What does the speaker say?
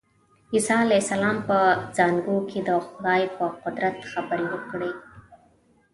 عیسی علیه السلام په زانګو کې د خدای په قدرت خبرې وکړې.